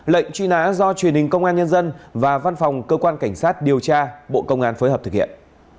lệnh truy nã do truyền hình công an nhân dân và văn phòng cơ quan cảnh sát điều tra bộ công an phối hợp thực hiện